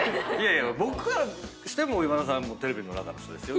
僕からしても今田さんはテレビの中の人ですよ。